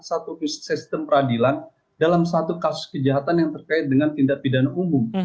satu sistem peradilan dalam satu kasus kejahatan yang terkait dengan tindak pidana umum